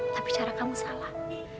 tapi cara kamu salah